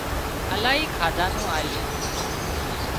الاهي کاڌا نُون آليون